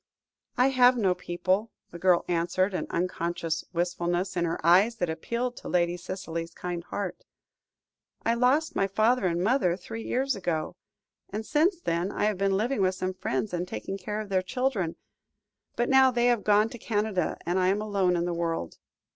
"I have no people," the girl answered, an unconscious wistfulness in her eyes that appealed to Lady Cicely's kind heart. "I lost my father and mother three years ago, and since then I have been living with some friends, and taking care of their children. But now they have gone to Canada and I am alone in the world."